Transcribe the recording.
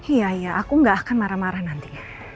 iya iya aku gak akan marah marah nanti